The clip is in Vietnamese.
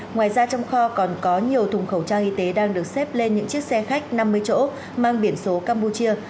ngoài ra trong kho còn có nhiều thùng khẩu trang y tế đang được xếp lên những chiếc xe khách năm mươi chỗ mang biển số campuchia